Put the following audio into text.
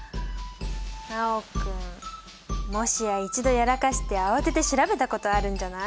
真旺君もしや一度やらかして慌てて調べたことあるんじゃない？